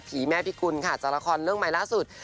แม่พิกุลค่ะจากละครเรื่องใหม่ล่าสุด